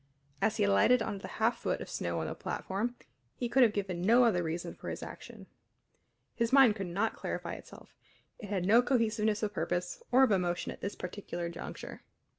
As he alighted into the half foot of snow on the platform he could have given no other reason for his action. His mind could not clarify itself; it had no cohesiveness of purpose or of emotion at this particular juncture.